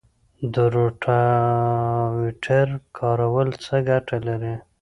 د روټاویټر کارول څه ګټه لري؟